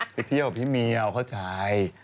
ไปเที่ยวกับพี่เมียวเข้าใจ